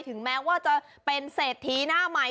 ถึงแม้ว่าจะเป็นเศรษฐีหน้าใหม่